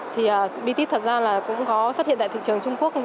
thì biti thật ra là cũng có xuất hiện tại thị trường trung quốc